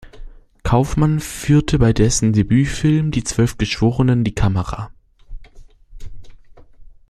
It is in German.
Kaufmann führte bei dessen Debütfilm "Die zwölf Geschworenen" die Kamera.